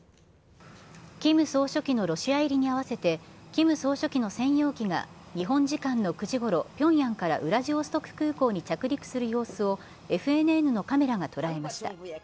キム総書記のロシア入りに合わせて、キム総書記の専用機が、日本時間の９時ごろ、ピョンヤンからウラジオストク空港に着陸する様子をＦＮＮのカメラが捉えました。